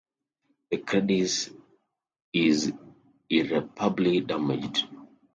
Her credit is irreparably damaged.